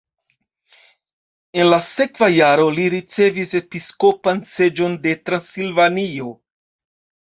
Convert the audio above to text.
En la sekva jaro li ricevis episkopan seĝon de Transilvanio.